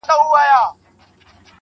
ه زړه مي په سينه كي ساته.